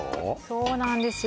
そうなんですよ